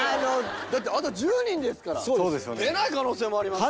だってあと１０人ですから出ない可能性もありますよ。